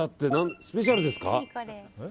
スペシャルですか？